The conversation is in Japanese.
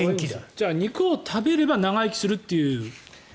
じゃあ肉を食べれば長生きするという。